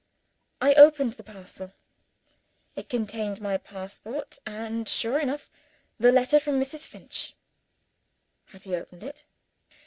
I opened the parcel. It contained my passport, and, sure enough, the letter from Mrs. Finch. Had he opened it?